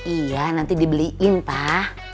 iya nanti dibeliin pak